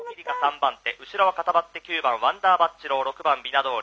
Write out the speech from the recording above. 後ろは固まって９番ワンダーバッチロー６番ビナドール。